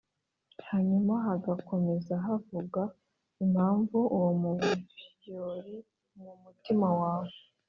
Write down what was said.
Hanyuma hagakomeza havuga impamvu uwo muvyouri mu mutima wawe